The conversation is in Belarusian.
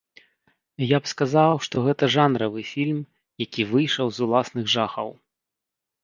Я б сказаў, што гэта жанравы фільм, які выйшаў з уласных жахаў.